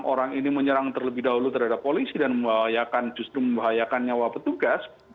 orang ini menyerang terlebih dahulu terhadap polisi dan membahayakan justru membahayakan nyawa petugas